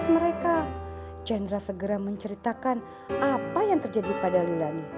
mereka jendra segera menceritakan apa yang terjadi pada lila nih